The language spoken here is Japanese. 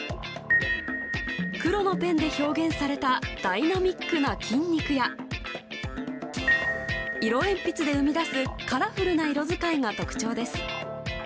黒のペンで表現されたダイナミックな筋肉や色鉛筆で生み出すカラフルな色使いが特徴です。